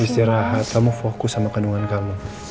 istirahat kamu fokus sama kandungan kamu